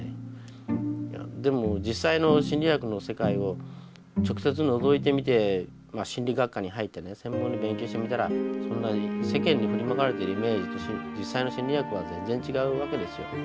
でも実際の心理学の世界を直接のぞいてみて心理学科に入って専門に勉強してみたら世間に振りまかれているイメージと実際の心理学は全然違うわけですよ。